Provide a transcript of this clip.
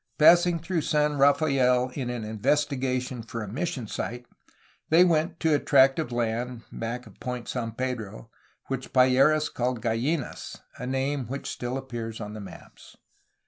Passing through San Rafael in an investigation for a mission site they went to a tract of land (back of Point San Pedro) which Payeras called Gallinas, a name which still appears on the maps.